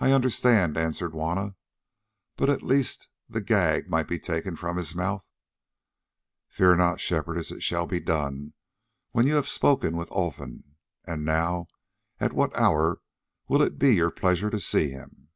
"I understand," answered Juanna, "but at least the gag might be taken from his mouth." "Fear not, Shepherdess, it shall be done—when you have spoken with Olfan. And now, at what hour will it be your pleasure to see him?"